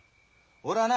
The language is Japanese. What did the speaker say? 俺はな